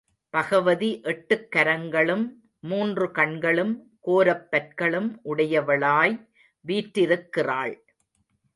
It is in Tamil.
பகவதி எட்டுக் கரங்களும், மூன்று கண்களும், கோரப் பற்களும் உடையவளாய் வீற்றிருக்கிறாள்.